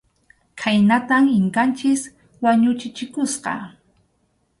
Khaynatam Inkanchik wañuchichikusqa.